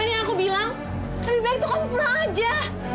lebih baik itu kamu pulang aja